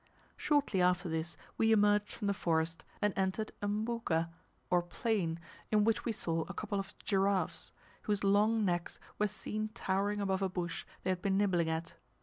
Shortly after this we emerged from the forest, and entered a mbuga, or plain, in which we saw a couple of giraffes, whose long necks were seen towering above a bush they had been nibbling at.